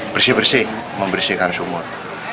bersih bersih membersihkan sumur